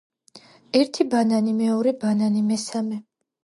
ერთი ბანანი, მეორე ბანანი, მესამე.